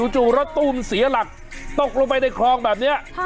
จู่รถตู้มันเสียหลักตกลงไปในคลองแบบนี้